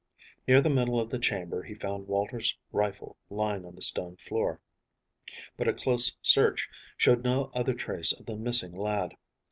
Near the middle of the chamber he found Walter's rifle lying on the stone floor, but a close search showed no other trace of the missing lad.